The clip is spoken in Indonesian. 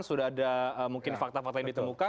sudah ada mungkin fakta fakta yang ditemukan